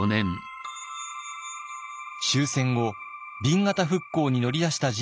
終戦後紅型復興に乗り出した人物がいます。